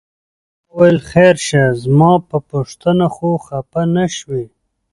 ما وویل خیر شه زما په پوښتنه خو خپه نه شوې؟